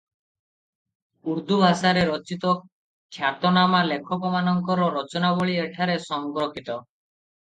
ଉର୍ଦ୍ଦୁ ଭାଷାରେ ରଚିତ ଖ୍ୟାତନାମା ଲେଖକମାନଙ୍କର ରଚନାବଳୀ ଏଠାରେ ସଂରକ୍ଷିତ ।